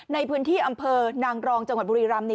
ในพื้นที่อำเภอนางรองจังหวัดบุรีรำ